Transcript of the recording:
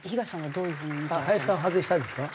林さんを外したのですか？